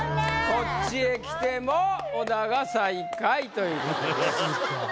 こっちへ来ても小田が最下位ということです。